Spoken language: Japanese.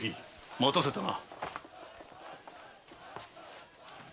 待たせたな。